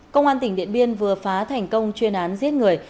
công an tỉnh điện biên vừa phá thành công chuyên án giết người